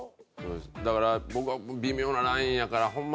だから僕は微妙なラインやからホンマ